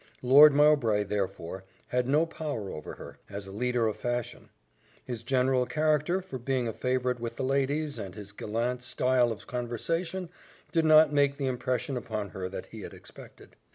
Lord Mowbray, therefore, had no power over her, as a leader of fashion; his general character for being a favourite with the ladies, and his gallant style of conversation, did not make the impression upon her that he had expected.